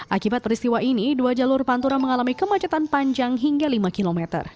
akibat peristiwa ini dua jalur pantura mengalami kemacetan panjang hingga lima km